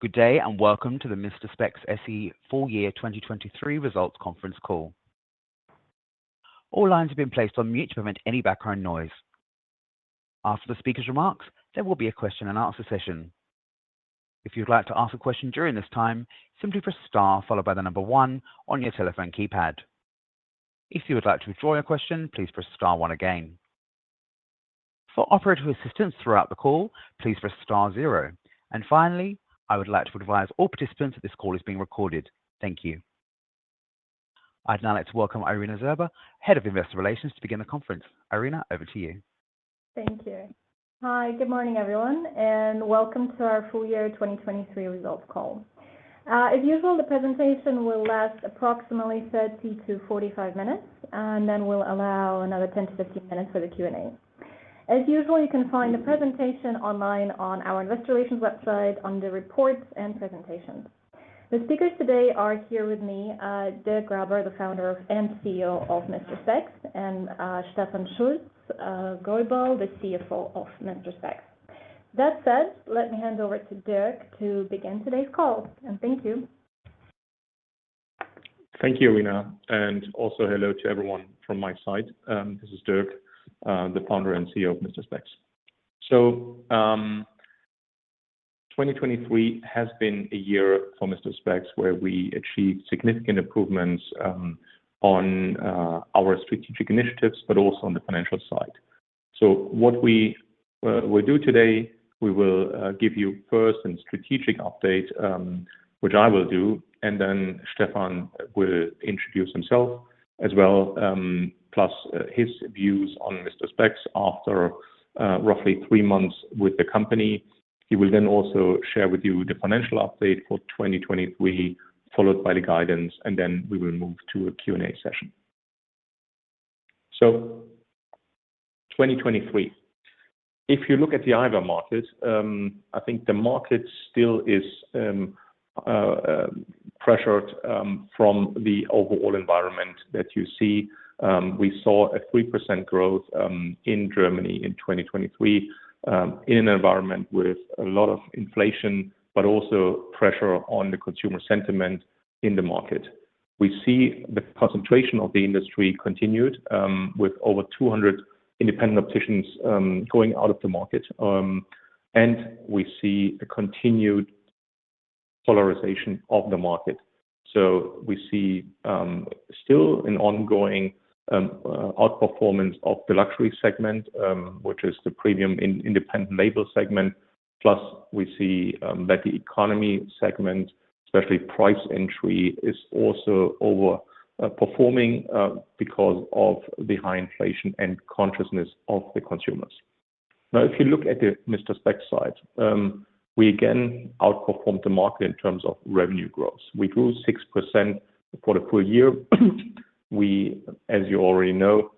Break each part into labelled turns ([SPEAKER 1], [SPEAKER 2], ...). [SPEAKER 1] Good day, and welcome to the Mister Spex SE full year 2023 results conference call. All lines have been placed on mute to prevent any background noise. After the speaker's remarks, there will be a question and answer session. If you'd like to ask a question during this time, simply press star followed by the number one on your telephone keypad. If you would like to withdraw your question, please press star one again. For operator assistance throughout the call, please press star zero. And finally, I would like to advise all participants that this call is being recorded. Thank you. I'd now like to welcome Irina Zhurba, Head of Investor Relations, to begin the conference. Irina, over to you.
[SPEAKER 2] Thank you. Hi, good morning, everyone, and welcome to our full year 2023 results call. As usual, the presentation will last approximately 30 minutes-45 minutes, and then we'll allow another 10 minutes-15 minutes for the Q&A. As usual, you can find the presentation online on our Investor Relations website, on the reports and presentations. The speakers today are here with me, Dirk Graber, the founder and CEO of Mister Spex, and Stephan Schulz-Gohritz, the CFO of Mister Spex. That said, let me hand over to Dirk to begin today's call, and thank you.
[SPEAKER 3] Thank you, Irina, and also hello to everyone from my side. This is Dirk, the founder and CEO of Mister Spex. So, 2023 has been a year for Mister Spex, where we achieved significant improvements on our strategic initiatives, but also on the financial side. So what we will do today, we will give you first a strategic update, which I will do, and then Stephan will introduce himself as well, plus his views on Mister Spex after roughly three months with the company. He will then also share with you the financial update for 2023, followed by the guidance, and then we will move to a Q&A session. So, 2023. If you look at the eyewear market, I think the market still is pressured from the overall environment that you see. We saw a 3% growth in Germany in 2023 in an environment with a lot of inflation, but also pressure on the consumer sentiment in the market. We see the concentration of the industry continued with over 200 independent opticians going out of the market, and we see a continued polarization of the market. So we see still an ongoing outperformance of the luxury segment, which is the premium independent label segment. Plus, we see that the economy segment, especially price entry, is also overperforming because of the high inflation and consciousness of the consumers. Now, if you look at the Mister Spex side, we again outperformed the market in terms of revenue growth. We grew 6% for the full year. We, as you already know,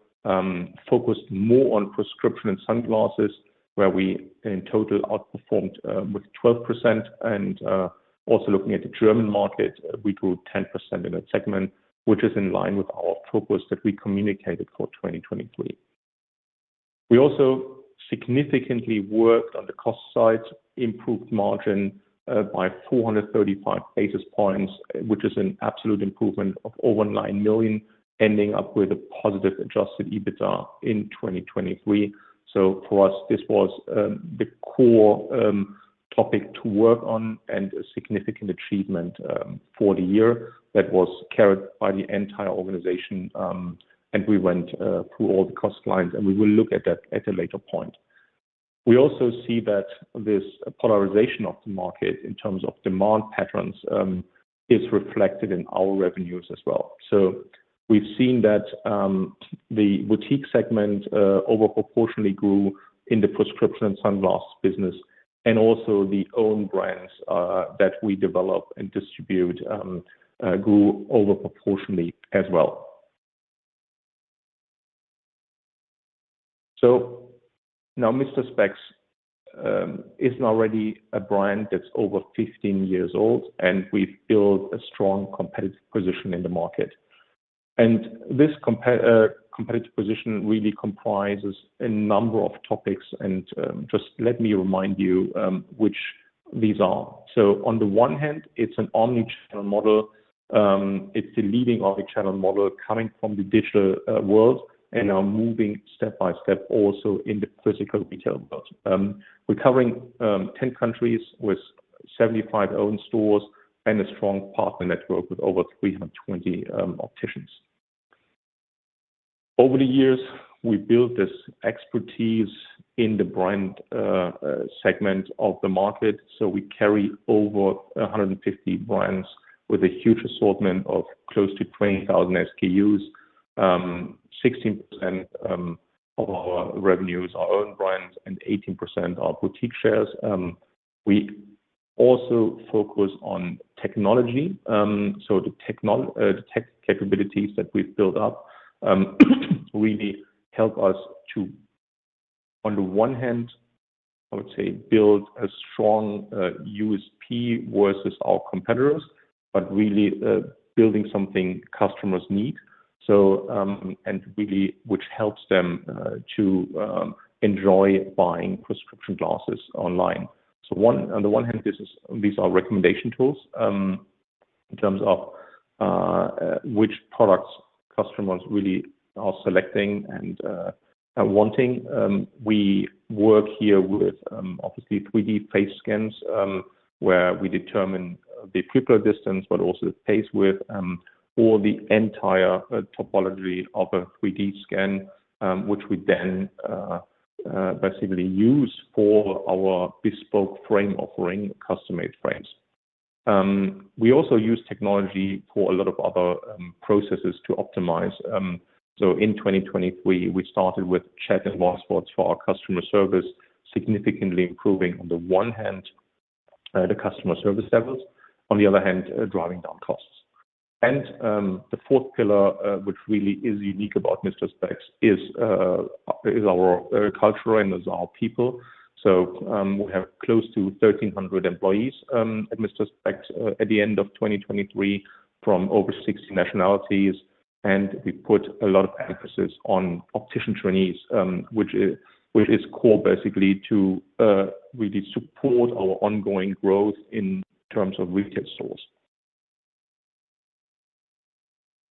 [SPEAKER 3] focused more on prescription and sunglasses, where we in total outperformed, with 12%, and also looking at the German market, we grew 10% in that segment, which is in line with our focus that we communicated for 2023. We also significantly worked on the cost side, improved margin, by 435 basis points, which is an absolute improvement of over 9 million, ending up with a positive adjusted EBITDA in 2023. So for us, this was the core topic to work on and a significant achievement for the year that was carried by the entire organization, and we went through all the cost lines, and we will look at that at a later point. We also see that this polarization of the market in terms of demand patterns is reflected in our revenues as well. So we've seen that the boutique segment over proportionally grew in the prescription and sunglasses business, and also the own brands that we develop and distribute grew over proportionally as well. So now, Mister Spex is already a brand that's over 15 years old, and we've built a strong competitive position in the market. And this competitive position really comprises a number of topics, and, just let me remind you, which these are. So on the one hand, it's an omni-channel model. It's the leading omni-channel model coming from the digital world, and are moving step by step also in the physical retail world. We're covering 10 countries with 75 own stores and a strong partner network with over 320 opticians. Over the years, we built this expertise in the brand segment of the market, so we carry over 150 brands with a huge assortment of close to 20,000 SKUs. 16% of our revenues are own brands and 18% are boutique shares. We also focus on technology, so the tech capabilities that we've built up really help us to, on the one hand, I would say, build a strong USP versus our competitors, but really building something customers need. So, and really which helps them to enjoy buying prescription glasses online. So on the one hand, these are recommendation tools in terms of which products customers really are selecting and are wanting. We work here with obviously 3D face scans, where we determine the pupillary distance, but also the face width or the entire topography of a 3D scan, which we then basically use for our bespoke frame offering, custom-made frames. We also use technology for a lot of other processes to optimize. So in 2023, we started with chat and chatbots for our customer service, significantly improving, on the one hand, the customer service levels, on the other hand, driving down costs. And the fourth pillar, which really is unique about Mister Spex is our culture and is our people. So we have close to 1,300 employees at Mister Spex at the end of 2023, from over 60 nationalities, and we put a lot of emphasis on optician trainees, which is core basically to really support our ongoing growth in terms of retail stores.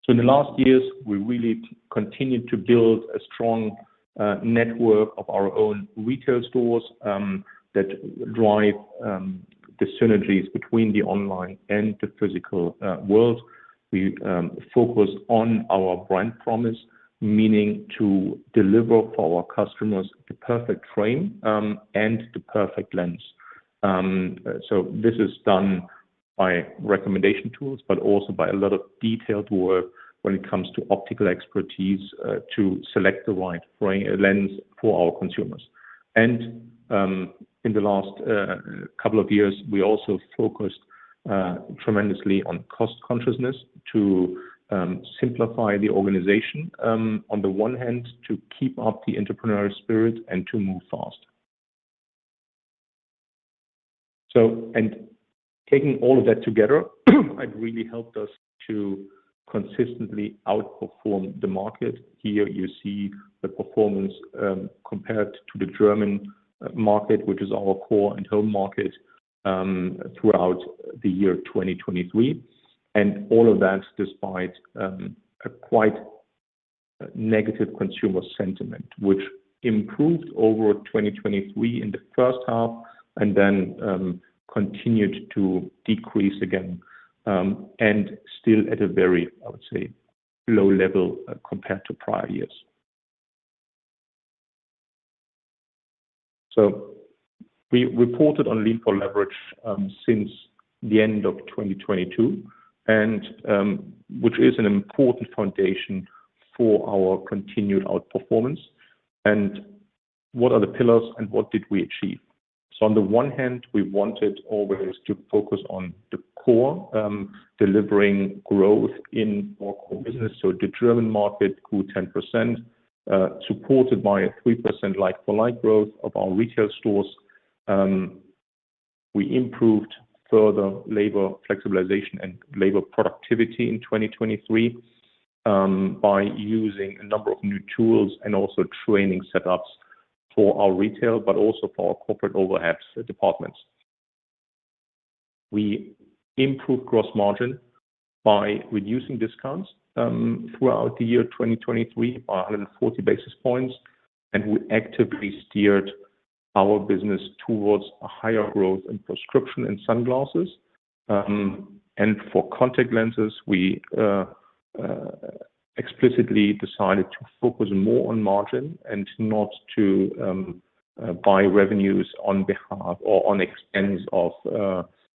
[SPEAKER 3] So in the last years, we really continued to build a strong network of our own retail stores that drive the synergies between the online and the physical world. We focus on our brand promise, meaning to deliver for our customers the perfect frame and the perfect lens. So this is done by recommendation tools, but also by a lot of detailed work when it comes to optical expertise to select the right frame, lens for our consumers. And in the last couple of years, we also focused tremendously on cost consciousness to simplify the organization, on the one hand, to keep up the entrepreneurial spirit and to move fast. And taking all of that together have really helped us to consistently outperform the market. Here you see the performance, compared to the German market, which is our core and home market, throughout the year 2023, and all of that despite a quite negative consumer sentiment, which improved over 2023 in the first half and then continued to decrease again, and still at a very, I would say, low level compared to prior years. So we reported on Lean 4 Leverage since the end of 2022, and which is an important foundation for our continued outperformance. And what are the pillars, and what did we achieve? So on the one hand, we wanted always to focus on the core, delivering growth in our core business. So the German market grew 10%, supported by a 3% Like-for-Like growth of our retail stores. We improved further labor flexibilization and labor productivity in 2023 by using a number of new tools and also training setups for our retail, but also for our corporate overheads departments. We improved gross margin by reducing discounts throughout the year 2023 by 140 basis points, and we actively steered our business towards a higher growth in prescription and sunglasses. And for contact lenses, we explicitly decided to focus more on margin and not to buy revenues on behalf or on expense of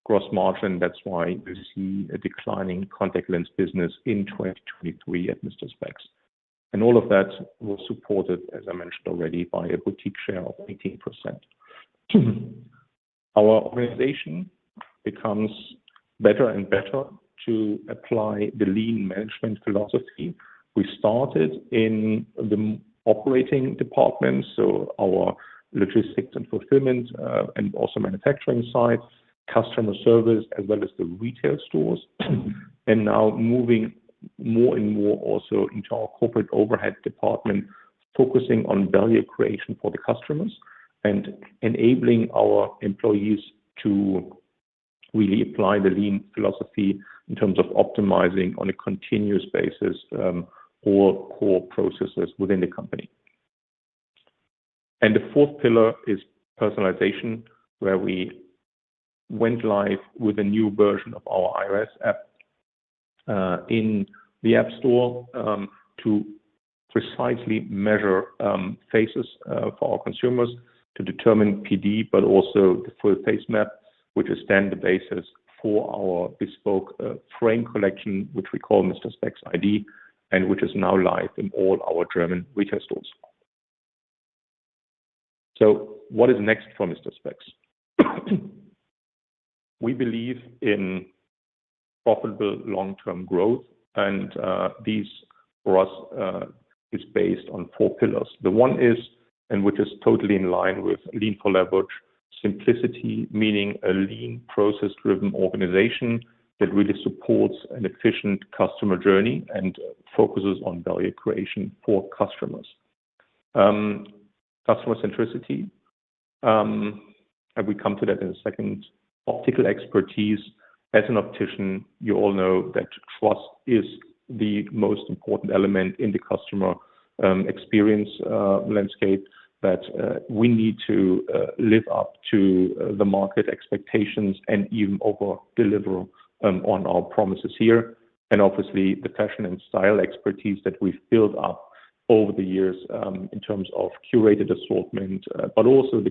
[SPEAKER 3] gross margin. That's why you see a declining contact lens business in 2023 at Mister Spex. And all of that was supported, as I mentioned already, by a boutique share of 18%. Our organization becomes better and better to apply the lean management philosophy. We started in the operating departments, so our logistics and fulfillment, and also manufacturing sites, customer service, as well as the retail stores, and now moving more and more also into our corporate overhead department, focusing on value creation for the customers and enabling our employees to really apply the lean philosophy in terms of optimizing on a continuous basis, all core processes within the company. And the fourth pillar is personalization, where we went live with a new version of our iOS app in the App Store, to precisely measure faces for our consumers to determine PD, but also the full face map, which is then the basis for our bespoke frame collection, which we call Mister Spex EyeD, and which is now live in all our German retail stores. So what is next for Mister Spex? We believe in profitable long-term growth, and for us, is based on four pillars. The one is, and which is totally in line with Lean 4 Leverage, simplicity, meaning a lean, process-driven organization that really supports an efficient customer journey and focuses on value creation for customers. Customer centricity, and we come to that in a second. Optical expertise. As an optician, you all know that trust is the most important element in the customer experience landscape, that we need to live up to the market expectations and even over-deliver on our promises here, and obviously, the fashion and style expertise that we've built up over the years in terms of curated assortment but also the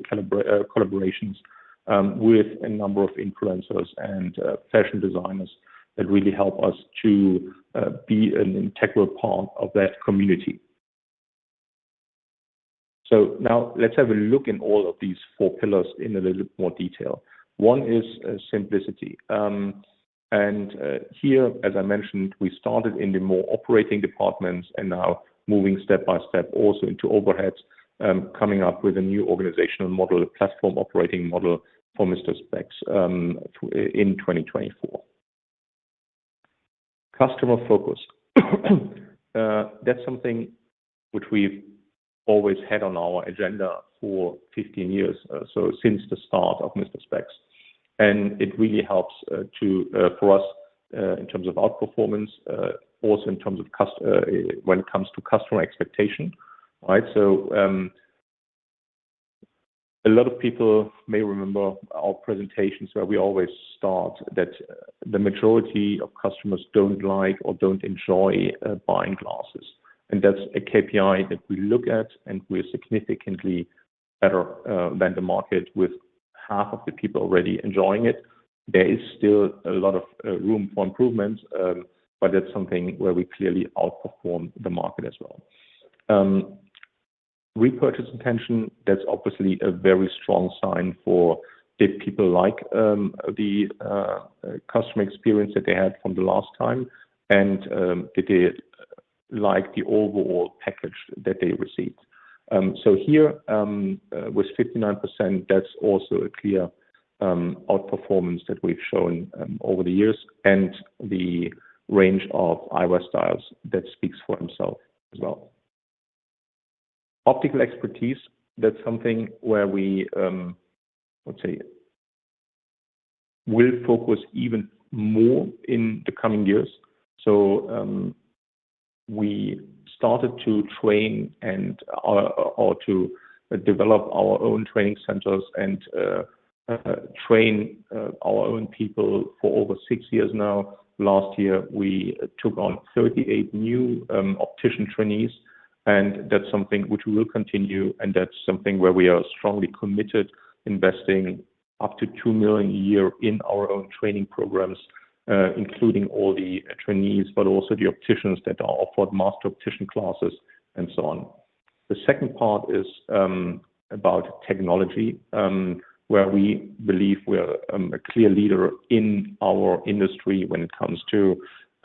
[SPEAKER 3] collaborations with a number of influencers and fashion designers that really help us to be an integral part of that community. So now let's have a look in all of these four pillars in a little more detail. One is simplicity. And here, as I mentioned, we started in the more operating departments and now moving step by step also into overheads, coming up with a new organizational model, a platform operating model for Mister Spex in 2024. Customer focus. That's something which we've always had on our agenda for 15 years, so since the start of Mister Spex, and it really helps for us in terms of outperformance, also in terms of when it comes to customer expectation, right? So, a lot of people may remember our presentations, where we always start that the majority of customers don't like or don't enjoy buying glasses, and that's a KPI that we look at, and we're significantly better than the market, with half of the people already enjoying it. There is still a lot of room for improvement, but that's something where we clearly outperform the market as well. Repurchase intention, that's obviously a very strong sign for did people like the customer experience that they had from the last time, and did they like the overall package that they received? So here, with 59%, that's also a clear outperformance that we've shown over the years and the range of eyewear styles that speaks for himself as well. Optical expertise, that's something where we, let's say, will focus even more in the coming years. So, we started to train and or to develop our own training centers and train our own people for over six years now. Last year, we took on 38 new optician trainees, and that's something which we will continue, and that's something where we are strongly committed, investing up to 2 million a year in our own training programs, including all the trainees, but also the opticians that are offered master optician classes, and so on. The second part is about technology, where we believe we're a clear leader in our industry when it comes to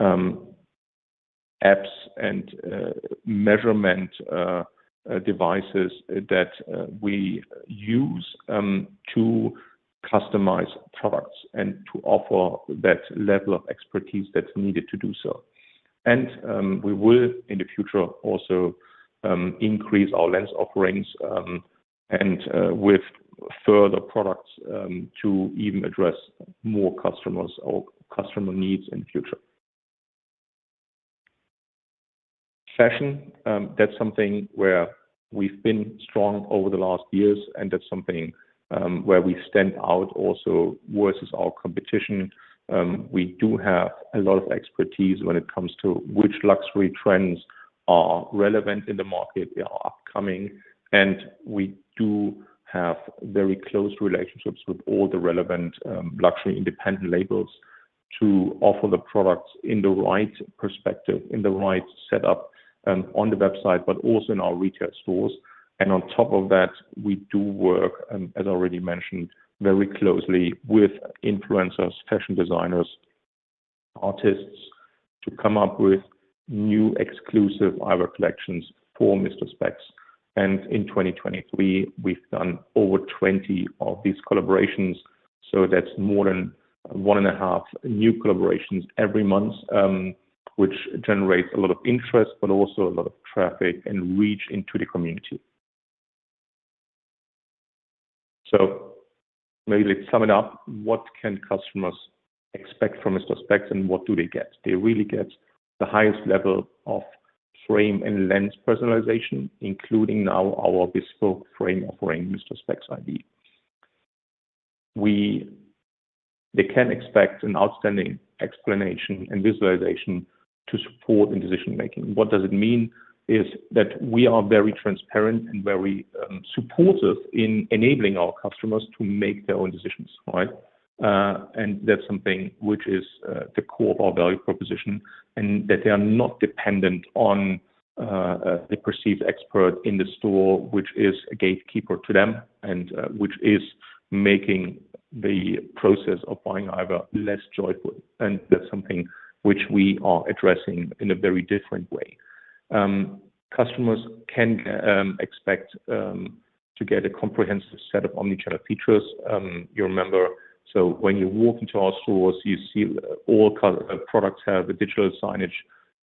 [SPEAKER 3] apps and measurement devices that we use to customize products and to offer that level of expertise that's needed to do so. We will, in the future, also increase our lens offerings and with further products to even address more customers or customer needs in future. Fashion, that's something where we've been strong over the last years, and that's something where we stand out also versus our competition. We do have a lot of expertise when it comes to which luxury trends are relevant in the market, they are upcoming, and we do have very close relationships with all the relevant luxury independent labels to offer the products in the right perspective, in the right setup on the website, but also in our retail stores. On top of that, we do work, as already mentioned, very closely with influencers, fashion designers, artists, to come up with new exclusive eyewear collections for Mister Spex. In 2023, we've done over 20 of these collaborations, so that's more than 1.5 new collaborations every month, which generates a lot of interest, but also a lot of traffic and reach into the community. So maybe let's sum it up. What can customers expect from Mister Spex, and what do they get? They really get the highest level of frame and lens personalization, including now our bespoke frame offering, Mister Spex EyeD. They can expect an outstanding explanation and visualization to support in decision making. What does it mean? Is that we are very transparent and very, supportive in enabling our customers to make their own decisions, right? And that's something which is the core of our value proposition, and that they are not dependent on the perceived expert in the store, which is a gatekeeper to them, and which is making the process of buying eyewear less joyful, and that's something which we are addressing in a very different way. Customers can expect to get a comprehensive set of omni-channel features. You remember, so when you walk into our stores, you see all products have a digital signage.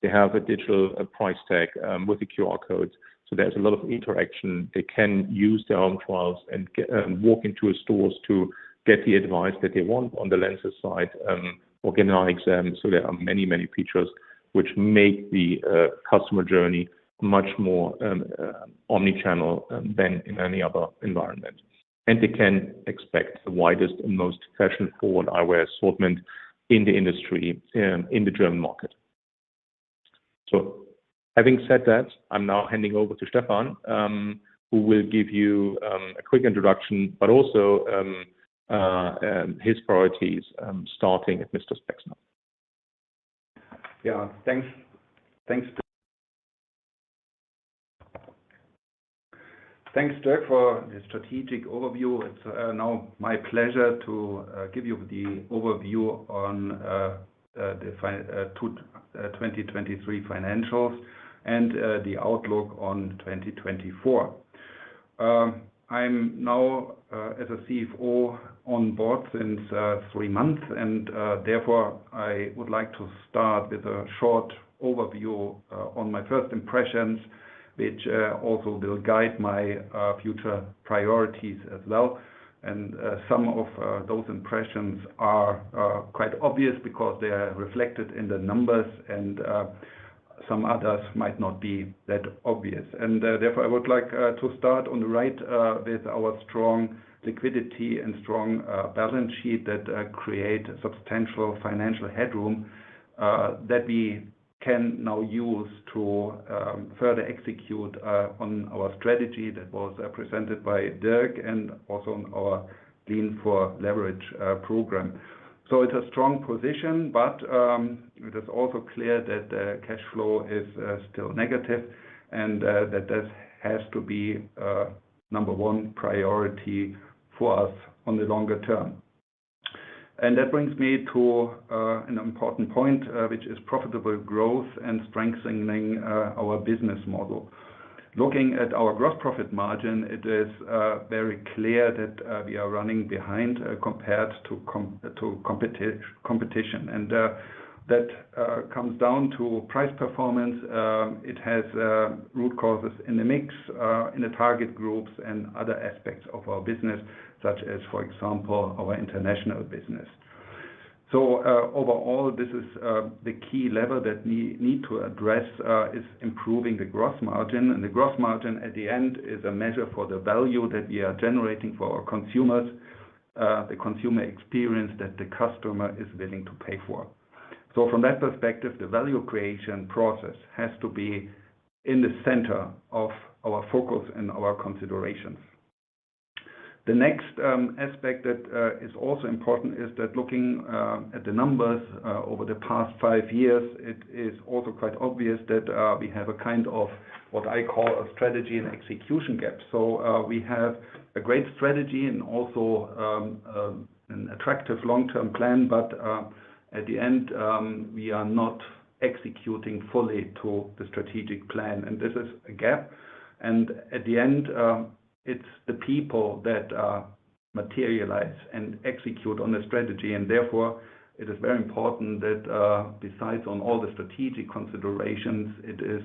[SPEAKER 3] They have a digital price tag with the QR codes, so there's a lot of interaction. They can use their own try-ons and walk into our stores to get the advice that they want on the lenses side, or get an eye exam. So there are many, many features which make the customer journey much more omni-channel than in any other environment. And they can expect the widest and most fashion-forward eyewear assortment in the industry in the German market. So having said that, I'm now handing over to Stephan who will give you a quick introduction, but also his priorities starting at Mister Spex now.
[SPEAKER 4] Yeah, thanks. Thanks, Dirk. Thanks, Dirk, for the strategic overview. It's now my pleasure to give you the overview on the 2023 financials and the outlook on 2024. I'm now, as a CFO on board since three months, and therefore, I would like to start with a short overview on my first impressions, which also will guide my future priorities as well. Some of those impressions are quite obvious because they are reflected in the numbers, and some others might not be that obvious. Therefore, I would like to start on the right with our strong liquidity and strong balance sheet that create substantial financial headroom that we can now use to further execute on our strategy that was presented by Dirk, and also on our Lean 4 Leverage program. So it's a strong position, but it is also clear that the cash flow is still negative, and that that has to be a number one priority for us on the longer term. That brings me to an important point, which is profitable growth and strengthening our business model. Looking at our gross profit margin, it is very clear that we are running behind compared to competition. That comes down to price performance. It has root causes in the mix, in the target groups and other aspects of our business, such as, for example, our international business. So, overall, this is the key lever that we need to address is improving the gross margin, and the gross margin at the end is a measure for the value that we are generating for our consumers, the consumer experience that the customer is willing to pay for. So from that perspective, the value creation process has to be in the center of our focus and our considerations. The next aspect that is also important is that looking at the numbers over the past five years, it is also quite obvious that we have a kind of, what I call a strategy and execution gap. So, we have a great strategy and also an attractive long-term plan, but at the end, we are not executing fully to the strategic plan, and this is a gap. At the end, it's the people that materialize and execute on the strategy, and therefore, it is very important that, besides on all the strategic considerations, it is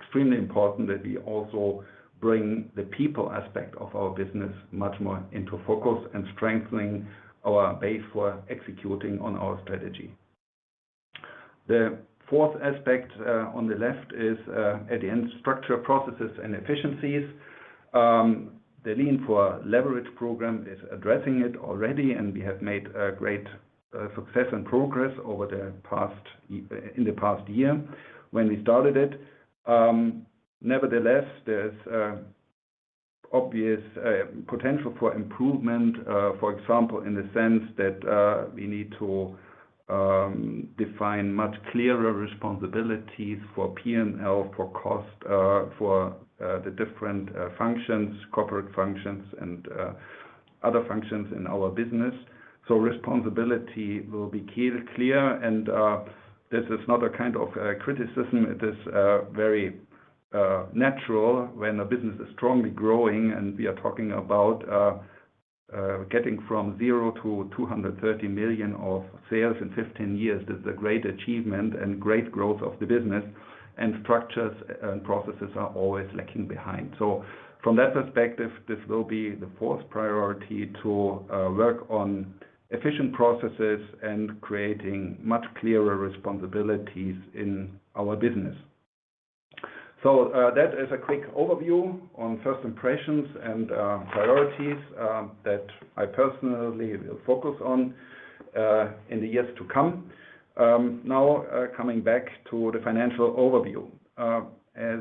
[SPEAKER 4] extremely important that we also bring the people aspect of our business much more into focus and strengthening our base for executing on our strategy. The fourth aspect on the left is, at the end, structure, processes, and efficiencies. The Lean 4 Leverage program is addressing it already, and we have made a great success and progress over the past year when we started it. Nevertheless, there's obvious potential for improvement, for example, in the sense that we need to define much clearer responsibilities for P&L, for cost, for the different functions, corporate functions, and other functions in our business. So responsibility will be clear, clear, and this is not a kind of criticism. It is very natural when a business is strongly growing, and we are talking about getting from zero to 230 million of sales in 15 years. This is a great achievement and great growth of the business, and structures and processes are always lacking behind. So from that perspective, this will be the fourth priority, to work on efficient processes and creating much clearer responsibilities in our business. So, that is a quick overview on first impressions and, priorities, that I personally will focus on, in the years to come. Now, coming back to the financial overview. As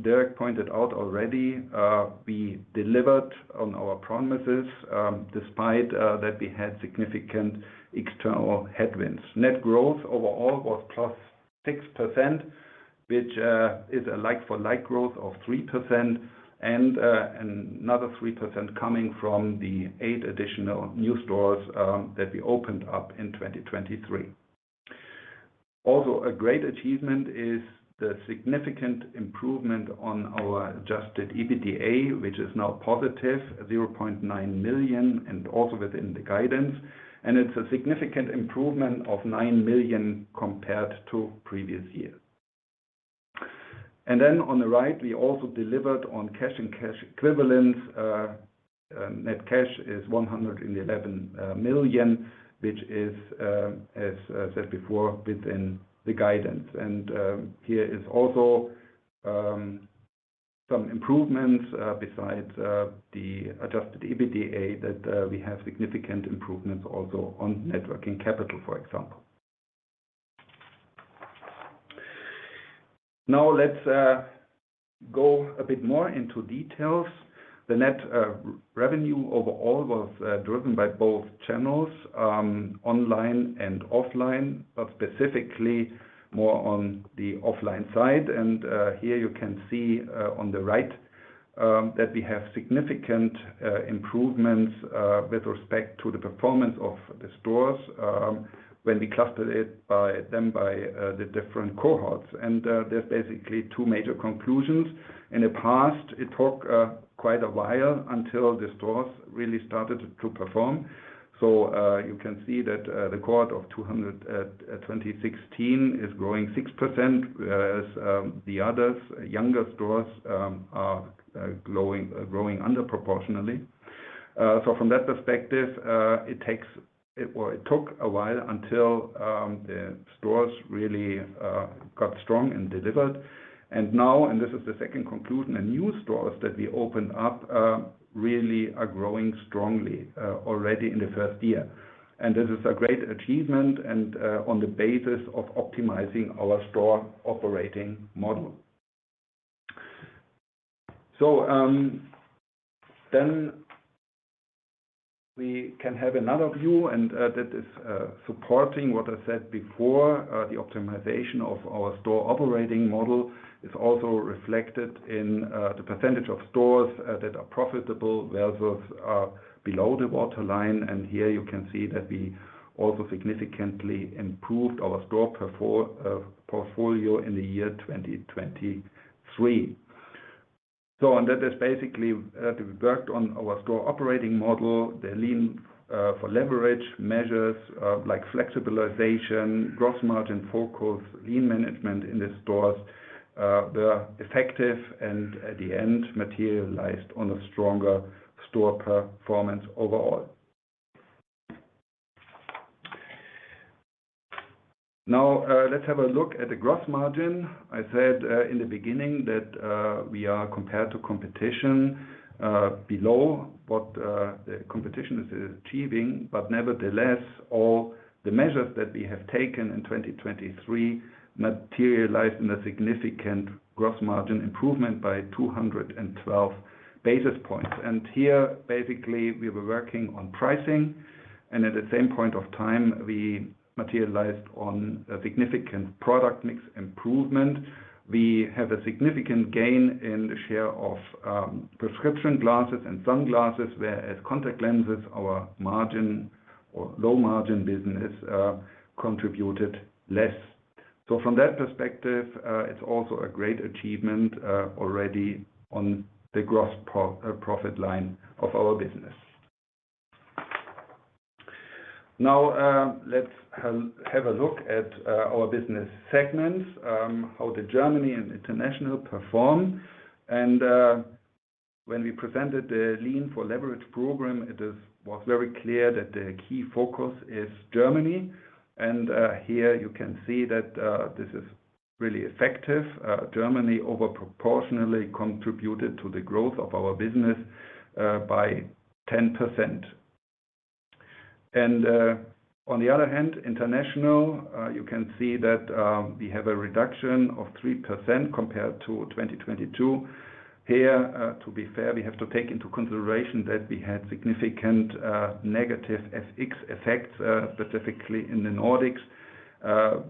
[SPEAKER 4] Dirk pointed out already, we delivered on our promises, despite, that we had significant external headwinds. Net growth overall was +6%, which is a like-for-like growth of 3%, and, another 3% coming from the 8 additional new stores, that we opened up in 2023. Also, a great achievement is the significant improvement on our adjusted EBITDA, which is now positive 0.9 million, and also within the guidance. And then on the right, we also delivered on cash and cash equivalents. Net cash is 111 million, which is, as said before, within the guidance. And here is also some improvements besides the adjusted EBITDA that we have significant improvements also on net working capital, for example. Now, let's go a bit more into details. The net revenue overall was driven by both channels, online and offline, but specifically more on the offline side. And here you can see on the right that we have significant improvements with respect to the performance of the stores when we cluster them by the different cohorts. And there's basically two major conclusions. In the past, it took quite a while until the stores really started to perform. So, you can see that the cohort of 2016 is growing 6%, as the others, younger stores, are growing disproportionately. So from that perspective, it takes, well, it took a while until the stores really got strong and delivered. Now, this is the second conclusion, the new stores that we opened up really are growing strongly already in the first year. And this is a great achievement and on the basis of optimizing our store operating model. So then we can have another view, and that is supporting what I said before. The optimization of our store operating model is also reflected in the percentage of stores that are profitable, whereas below the water line. Here you can see that we also significantly improved our store performance portfolio in 2023. And that is basically we worked on our store operating model, the Lean 4 Leverage measures, like flexibilization, gross margin focus, lean management in the stores. They are effective, and at the end, materialized on a stronger store performance overall. Now, let's have a look at the gross margin. I said, in the beginning that, we are compared to competition, below what, the competition is achieving, but nevertheless, all the measures that we have taken in 2023 materialized in a significant gross margin improvement by 212 basis points. And here, basically, we were working on pricing, and at the same point of time, we materialized on a significant product mix improvement. We have a significant gain in the share of prescription glasses and sunglasses, whereas contact lenses, our low-margin business, contributed less. So from that perspective, it's also a great achievement already on the gross profit line of our business. Now, let's have a look at our business segments, how Germany and international perform. When we presented the Lean 4 Leverage program, it was very clear that the key focus is Germany. Here you can see that this is really effective. Germany over proportionally contributed to the growth of our business by 10%. On the other hand, international, you can see that we have a reduction of 3% compared to 2022. Here, to be fair, we have to take into consideration that we had significant, negative FX effects, specifically in the Nordics,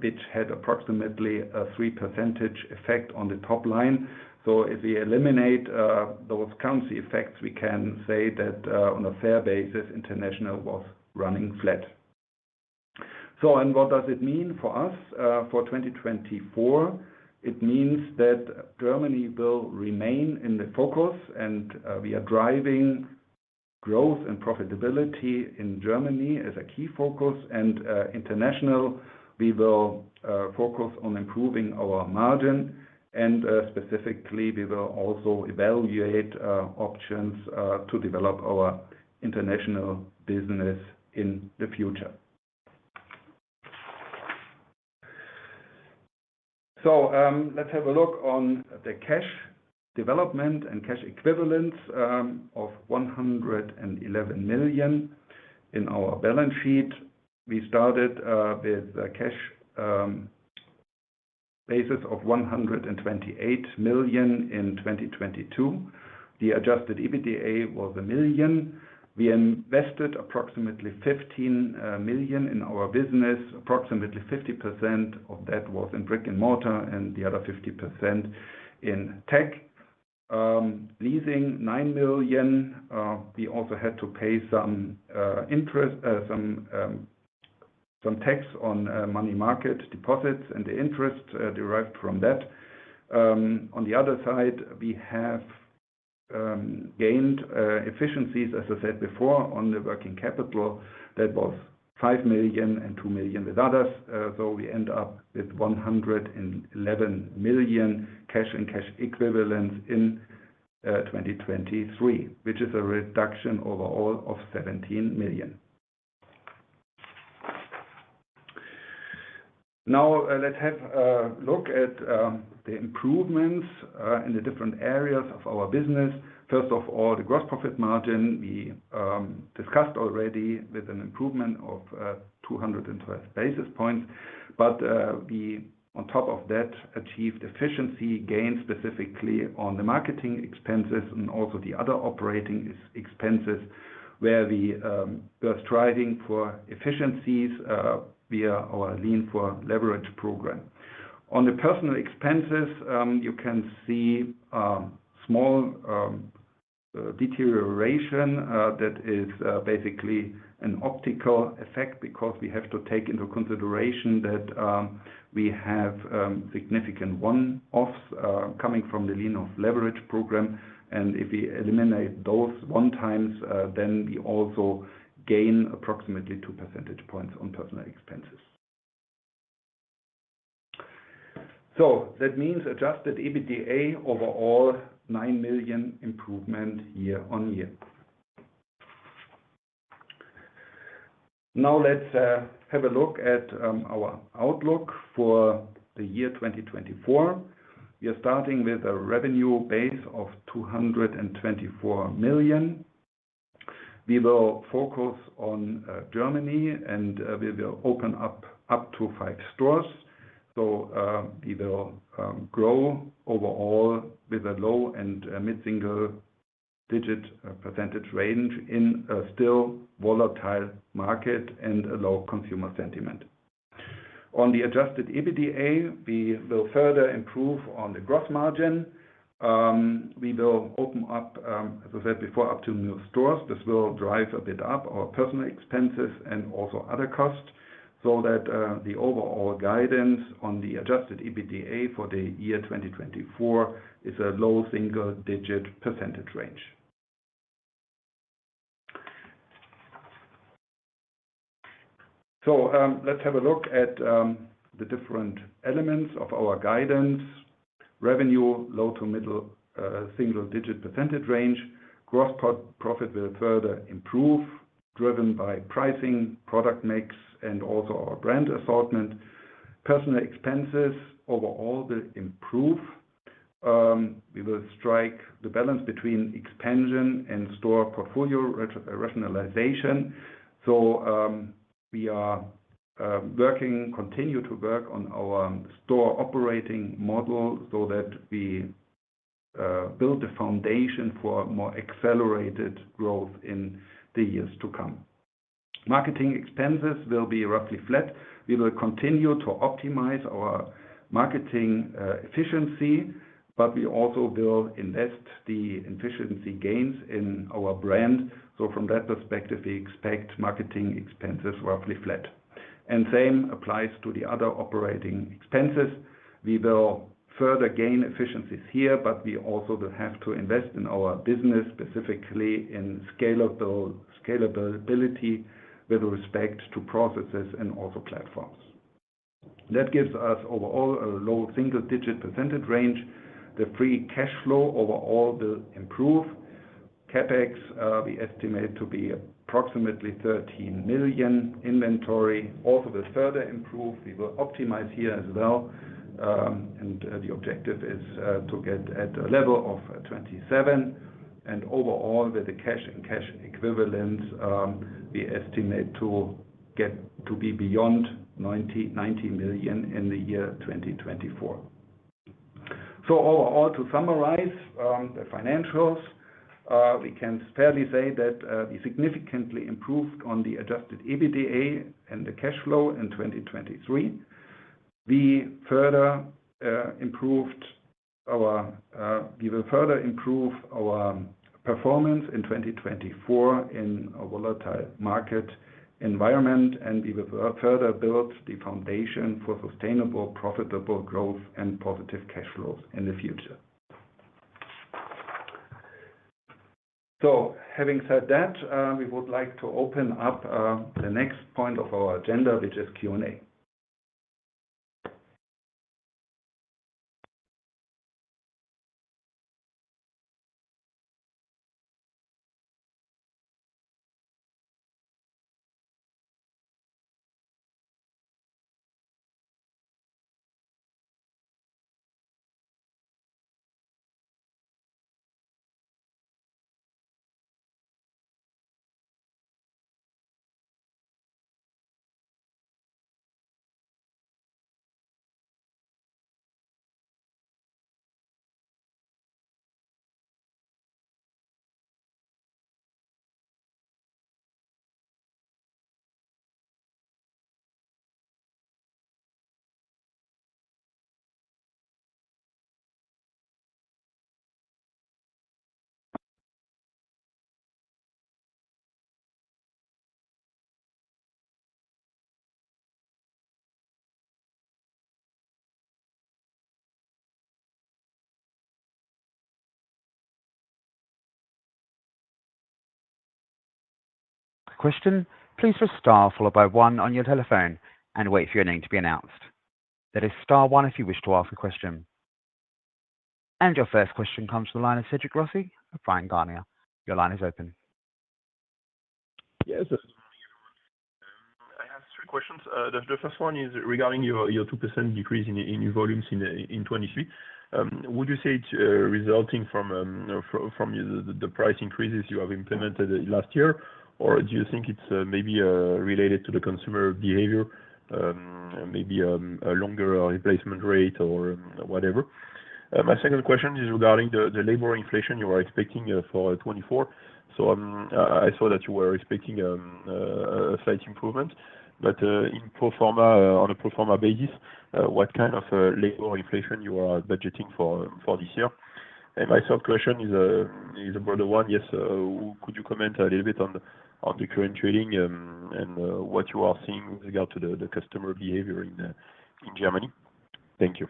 [SPEAKER 4] which had approximately a 3% effect on the top line. So if we eliminate, those currency effects, we can say that, on a fair basis, international was running flat. So, and what does it mean for us, for 2024? It means that Germany will remain in the focus, and, we are driving growth and profitability in Germany as a key focus. And, international, we will, focus on improving our margin, and, specifically, we will also evaluate, options, to develop our international business in the future. So, let's have a look on the cash development and cash equivalents, of 111 million in our balance sheet. We started with the cash basis of 128 million in 2022. The adjusted EBITDA was 1 million. We invested approximately 15 million in our business. Approximately 50% of that was in brick and mortar, and the other 50% in tech. Leasing 9 million, we also had to pay some interest, some tax on money market deposits and the interest derived from that. On the other side, we have gained efficiencies, as I said before, on the working capital. That was 5 million and 2 million with others, so we end up with 111 million cash and cash equivalents in 2023, which is a reduction overall of 17 million. Now, let's have a look at the improvements in the different areas of our business. First of all, the gross profit margin, we discussed already with an improvement of 212 basis points. But we, on top of that, achieved efficiency gains, specifically on the marketing expenses and also the other operating expenses, where we were striving for efficiencies via our Lean 4 Leverage program. On the personnel expenses, you can see small deterioration that is basically an optical effect because we have to take into consideration that we have significant one-offs coming from the Lean 4 Leverage program. And if we eliminate those one-offs, then we also gain approximately 2 percentage points on personnel expenses. So that means adjusted EBITDA, overall, EUR 9 million improvement year-on-year. Now, let's have a look at our outlook for the year 2024. We are starting with a revenue base of 224 million. We will focus on Germany, and we will open up to 5 stores. So, we will grow overall with a low- and mid-single-digit % range in a still volatile market and a low consumer sentiment. On the adjusted EBITDA, we will further improve on the gross margin. We will open up, as I said before, up to new stores. This will drive a bit up our personnel expenses and also other costs, so that the overall guidance on the adjusted EBITDA for the year 2024 is a low single-digit % range. So, let's have a look at the different elements of our guidance. Revenue, low-to-middle single-digit % range. Gross profit will further improve, driven by pricing, product mix, and also our brand assortment. Personnel expenses, overall, will improve. We will strike the balance between expansion and store portfolio rationalization. So, we continue to work on our store operating model so that we build a foundation for more accelerated growth in the years to come. Marketing expenses will be roughly flat. We will continue to optimize our marketing efficiency, but we also will invest the efficiency gains in our brand. So from that perspective, we expect marketing expenses roughly flat. And same applies to the other operating expenses. We will further gain efficiencies here, but we also will have to invest in our business, specifically in scalability with respect to processes and also platforms. That gives us overall a low single-digit % range. The free cash flow overall will improve. CapEx, we estimate to be approximately 13 million. Inventory also will further improve. We will optimize here as well, and the objective is to get at a level of 27 million. Overall, with the cash and cash equivalents, we estimate to get to be beyond 99 million in the year 2024. Overall, to summarize, the financials, we can fairly say that we significantly improved on the adjusted EBITDA and the cash flow in 2023. We will further improve our performance in 2024 in a volatile market environment, and we will further build the foundation for sustainable, profitable growth and positive cash flows in the future. Having said that, we would like to open up the next point of our agenda, which is Q&A.
[SPEAKER 1] To as ask question, please press star followed by one on your telephone and wait for your name to be announced. That is star one if you wish to ask a question. Your first question comes from the line of Cédric Rossi of Bryan Garnier. Your line is open.
[SPEAKER 5] Yes. I have three questions. The first one is regarding your 2% decrease in your volumes in 2023. Would you say it's resulting from the price increases you have implemented last year? Or do you think it's maybe related to the consumer behavior, maybe a longer replacement rate or whatever? My second question is regarding the labor inflation you are expecting for 2024. So, I saw that you were expecting a slight improvement, but in pro forma, on a pro forma basis, what kind of labor inflation you are budgeting for this year? And my third question is a broader one. Yes. Could you comment a little bit on the current trading and what you are seeing with regard to the customer behavior in Germany? Thank you.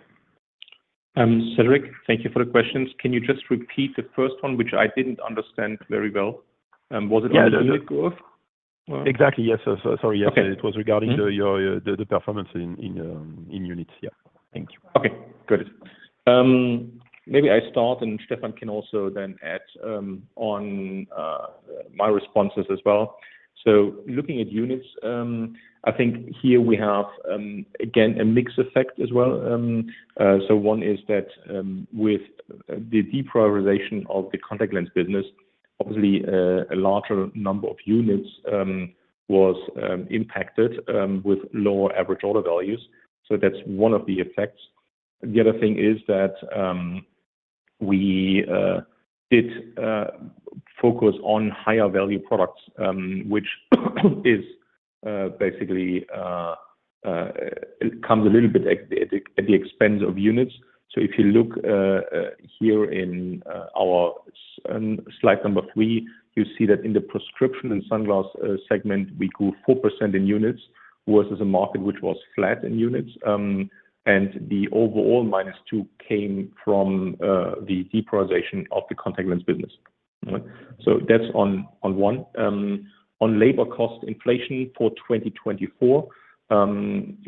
[SPEAKER 3] Cédric, thank you for the questions. Can you just repeat the first one, which I didn't understand very well? Was it on the unit growth?
[SPEAKER 5] Exactly, yes. So sorry.
[SPEAKER 3] Okay.
[SPEAKER 5] Yes, it was regarding your performance in units. Yeah. Thank you.
[SPEAKER 3] Okay, got it. Maybe I start, and Stephan can also then add on my responses as well. So looking at units, I think here we have again a mix effect as well. So one is that with the de-prioritization of the contact lens business, obviously, a larger number of units was impacted with lower average order values. So that's one of the effects. The other thing is that we did focus on higher value products, which basically comes a little bit at the expense of units. So if you look here in our slide number three, you see that in the prescription and sunglasses segment, we grew 4% in units versus a market which was flat in units. And the overall minus two came from the de-prioritization of the contact lens business. So that's on one. On labor cost inflation for 2024,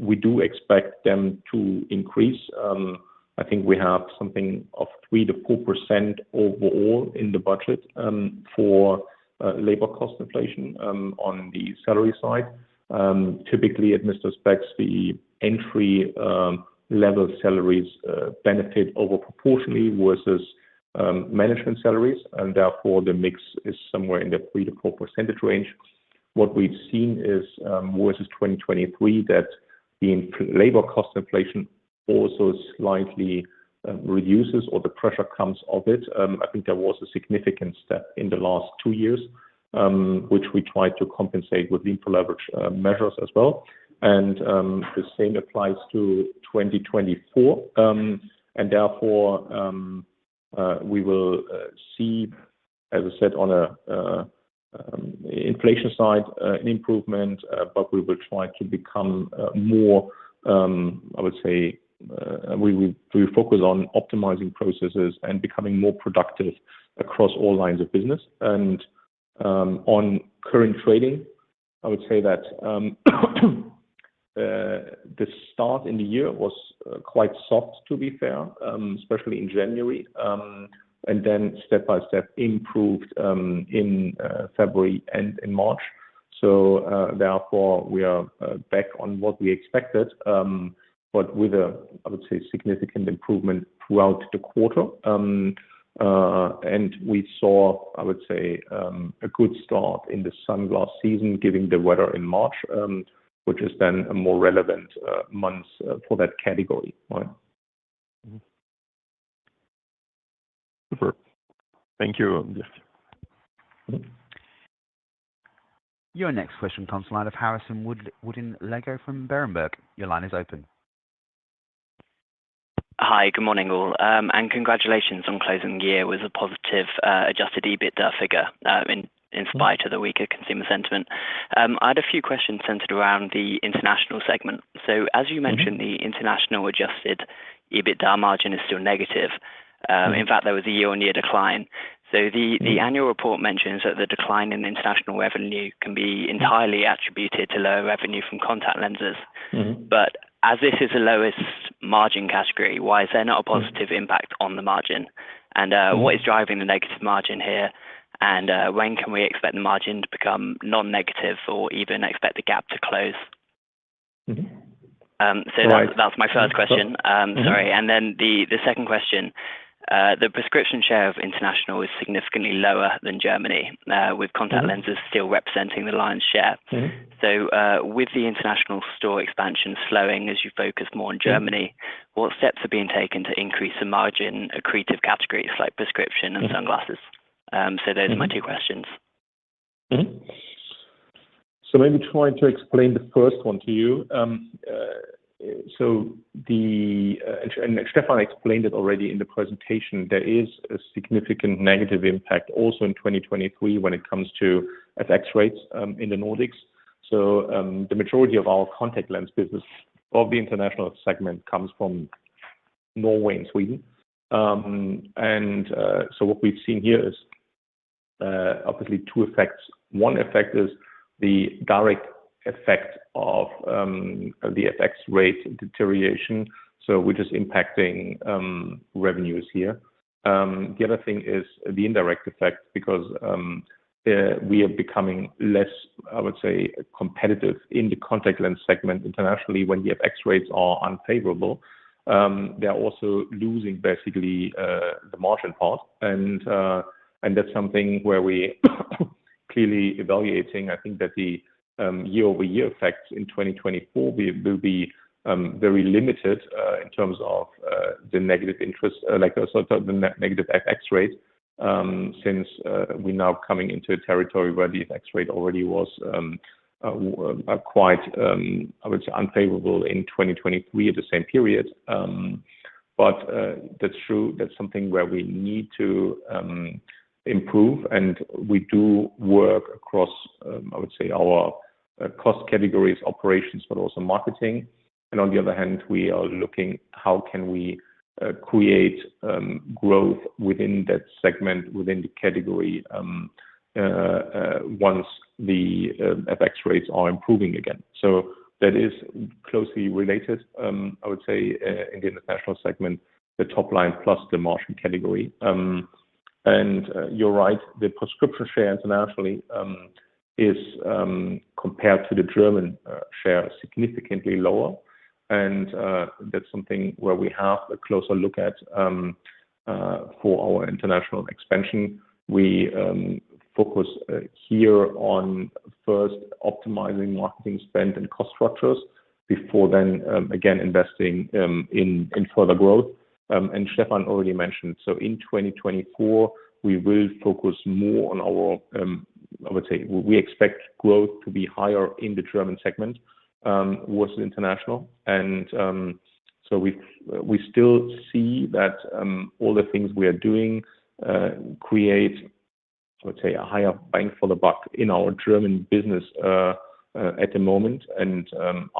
[SPEAKER 3] we do expect them to increase. I think we have something of 3%-4% overall in the budget for labor cost inflation on the salary side. Typically, at Mister Spex, the entry level salaries benefit disproportionately versus management salaries, and therefore, the mix is somewhere in the 3%-4% range. What we've seen is, versus 2023, that the labor cost inflation also slightly reduces or the pressure comes off it. I think there was a significant step in the last two years, which we tried to compensate with leverage measures as well, and the same applies to 2024. And therefore, we will see, as I said, on a inflation side, an improvement, but we will try to become more, I would say, we will—we focus on optimizing processes and becoming more productive across all lines of business. And on current trading, I would say that the start in the year was quite soft, to be fair, especially in January, and then step by step, improved, in February and in March. So, therefore, we are back on what we expected, but with a, I would say, significant improvement throughout the quarter. And we saw, I would say, a good start in the sunglasses season, given the weather in March, which is then a more relevant month for that category.
[SPEAKER 5] Mm-hmm. Super. Thank you.
[SPEAKER 1] Your next question comes the line of Harrison Woodin-Lygo from Berenberg. Your line is open.
[SPEAKER 6] Hi, good morning, all, and congratulations on closing the year with a positive, adjusted EBITDA figure, in spite of the weaker consumer sentiment. I had a few questions centered around the international segment. So as you mentioned, the international adjusted EBITDA margin is still negative. In fact, there was a year-on-year decline. So the annual report mentions that the decline in international revenue can be entirely attributed to lower revenue from contact lenses.
[SPEAKER 3] Mm-hmm.
[SPEAKER 6] But as this is the lowest margin category, why is there not a positive impact on the margin? And what is driving the negative margin here, and when can we expect the margin to become non-negative or even expect the gap to close?
[SPEAKER 3] Mm-hmm.
[SPEAKER 6] That's, that's my first question.
[SPEAKER 3] Mm-hmm.
[SPEAKER 6] Sorry, and then the second question. The prescription share of international is significantly lower than Germany, with contact lenses still representing the lion's share.
[SPEAKER 3] Mm-hmm.
[SPEAKER 6] With the international store expansion slowing as you focus more on Germany, what steps are being taken to increase the margin accretive categories like prescription and sunglasses?
[SPEAKER 3] Mm-hmm.
[SPEAKER 6] So those are my two questions.
[SPEAKER 3] So let me try to explain the first one to you. And Stephan explained it already in the presentation, there is a significant negative impact also in 2023 when it comes to FX rates in the Nordics. So the majority of our contact lens business of the international segment comes from Norway and Sweden. And so what we've seen here is obviously two effects. One effect is the direct effect of the FX rate deterioration, so which is impacting revenues here. The other thing is the indirect effect, because we are becoming less, I would say, competitive in the contact lens segment internationally when the FX rates are unfavorable. They are also losing basically the margin part, and that's something where we clearly evaluating. I think that the year-over-year effect in 2024 will be very limited in terms of the negative interest like the, so the negative FX rate, since we're now coming into a territory where the FX rate already was quite, I would say, unfavorable in 2023 at the same period. But that's true. That's something where we need to improve, and we do work across, I would say, our cost categories, operations, but also marketing. And on the other hand, we are looking how can we create growth within that segment, within the category once the FX rates are improving again. So that is closely related, I would say, in the international segment, the top line plus the margin category. And, you're right, the prescription share internationally is compared to the German share significantly lower, and that's something where we have a closer look at for our international expansion. We focus here on first optimizing marketing spend and cost structures before then again investing in in further growth. And Stephan already mentioned, so in 2024, we will focus more on our—I would say, we expect growth to be higher in the German segment versus international. And so we, we still see that all the things we are doing create, let's say, a higher bang for the buck in our German business at the moment.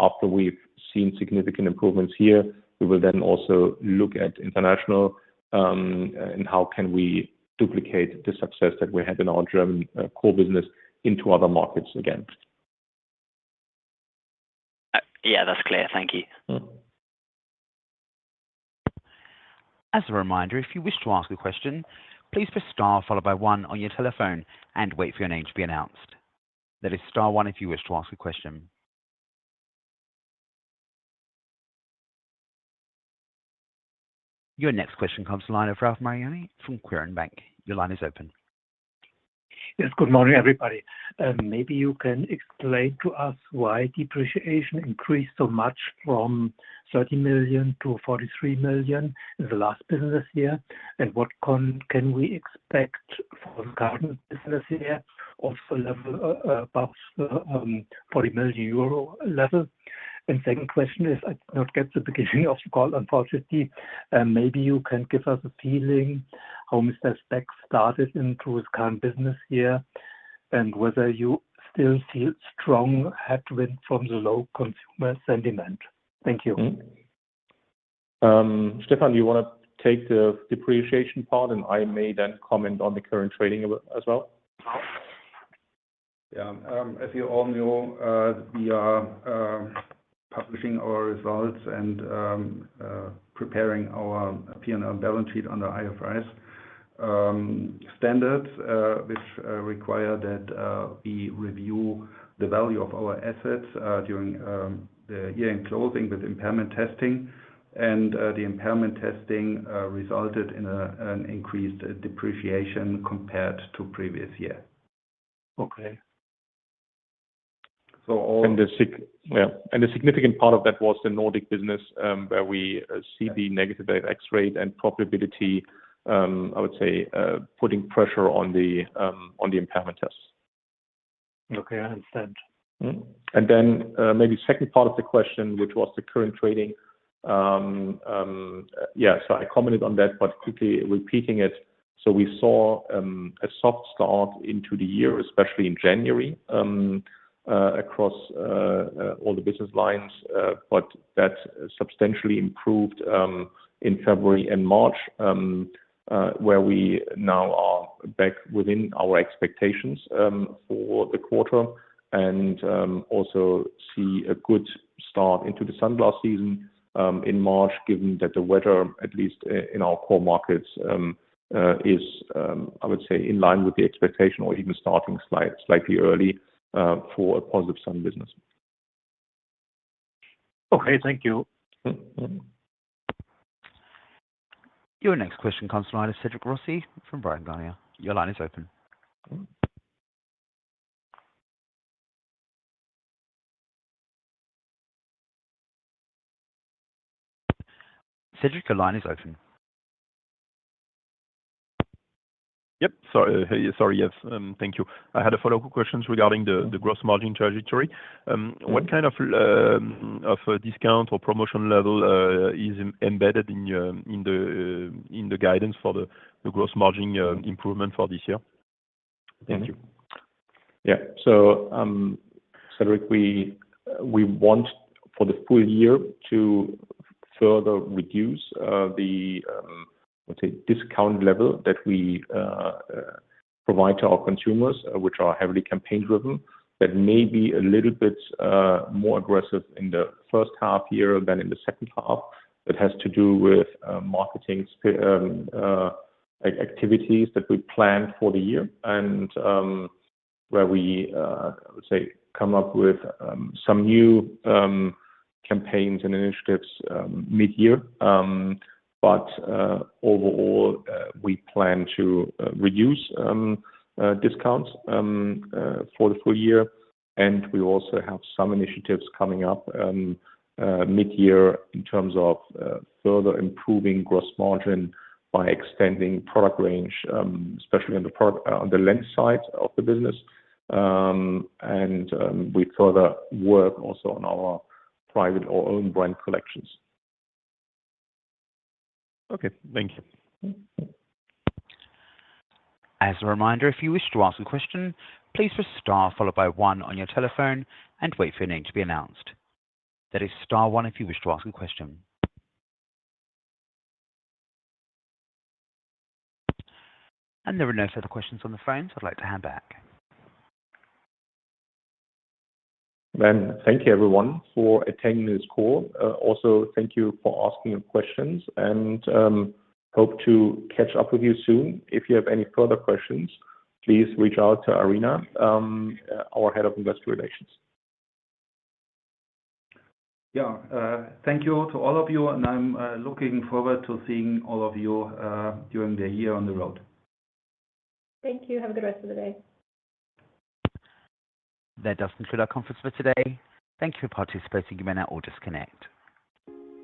[SPEAKER 3] After we've seen significant improvements here, we will then also look at international and how can we duplicate the success that we had in our German core business into other markets again.
[SPEAKER 6] Yeah, that's clear. Thank you.
[SPEAKER 3] Mm-hmm.
[SPEAKER 1] As a reminder, if you wish to ask a question, please press star followed by one on your telephone and wait for your name to be announced. That is star one if you wish to ask a question. Your next question comes from the line of Ralf Marinoni from Quirin Privatbank. Your line is open.
[SPEAKER 7] Yes, good morning, everybody. Maybe you can explain to us why depreciation increased so much from 30 million to 43 million in the last business year, and what can we expect from the current business year, also level above 40 million euro level? And second question is, I did not get the beginning of the call, unfortunately. Maybe you can give us a feeling how Mister Spex started into his current business year and whether you still feel strong headwind from the low consumer sentiment. Thank you.
[SPEAKER 3] Mm-hmm. Stephan, do you want to take the depreciation part, and I may then comment on the current trading as well?
[SPEAKER 4] Yeah. As you all know, we are publishing our results and preparing our P&L balance sheet under IFRS standards, which require that we review the value of our assets during the year-end closing with impairment testing. The impairment testing resulted in an increased depreciation compared to previous year.
[SPEAKER 7] Okay.
[SPEAKER 4] So all-
[SPEAKER 3] Yeah, and a significant part of that was the Nordic business, where we see the negative FX rate and profitability, I would say, putting pressure on the impairment tests.
[SPEAKER 7] Okay, I understand.
[SPEAKER 3] Mm-hmm. And then, maybe second part of the question, which was the current trading. Yeah, so I commented on that, but quickly repeating it. So we saw a soft start into the year, especially in January, across all the business lines, but that substantially improved in February and March, where we now are back within our expectations for the quarter. And also see a good start into the sunglass season in March, given that the weather, at least in our core markets, is, I would say, in line with the expectation or even starting slightly early for a positive sun business.
[SPEAKER 7] Okay, thank you.
[SPEAKER 3] Mm-hmm.
[SPEAKER 1] Your next question comes to line is Cédric Rossi from Bryan Garnier. Your line is open. Cédric, your line is open.
[SPEAKER 5] Yep. Sorry, hey, sorry, yes, thank you. I had a follow-up questions regarding the gross margin trajectory. What kind of of a discount or promotion level is embedded in your, in the guidance for the gross margin improvement for this year? Thank you.
[SPEAKER 3] Yeah. So, Cédric, we want for the full year to further reduce the, let's say, discount level that we provide to our consumers, which are heavily campaign-driven, but maybe a little bit more aggressive in the first half year than in the second half. It has to do with marketing like activities that we planned for the year and where we, let's say, come up with some new campaigns and initiatives mid-year. But overall, we plan to reduce discounts for the full year, and we also have some initiatives coming up mid-year in terms of further improving gross margin by extending product range, especially on the product on the lens side of the business, and we further work also on our private or own brand collections.
[SPEAKER 5] Okay. Thank you.
[SPEAKER 1] As a reminder, if you wish to ask a question, please press star followed by one on your telephone and wait for your name to be announced. That is star one if you wish to ask a question. There are no further questions on the phone, so I'd like to hand back.
[SPEAKER 3] Thank you, everyone, for attending this call. Also, thank you for asking questions and hope to catch up with you soon. If you have any further questions, please reach out to Irina, our Head of Investor Relations.
[SPEAKER 4] Yeah, thank you to all of you, and I'm looking forward to seeing all of you during the year on the road.
[SPEAKER 2] Thank you. Have a good rest of the day.
[SPEAKER 1] That does conclude our conference for today. Thank you for participating. You may now all disconnect.